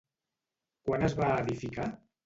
Quan es va edificar?